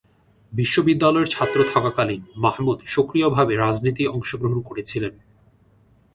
বিশ্ববিদ্যালয়ের ছাত্র থাকাকালীন মাহমুদ সক্রিয়ভাবে রাজনীতি অংশগ্রহণ করেছিলেন।